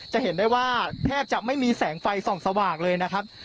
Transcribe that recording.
จะเห็นได้ว่าแทบจะไม่มีแสงไฟส่องสว่างเลยนะครับ